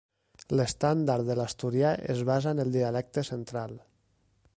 L'estàndard de l'asturià es basa en el dialecte central.